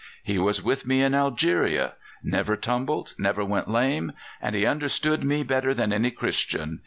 He was with me in Algeria. Never tumbled, never went lame. And he understood me better than any Christian.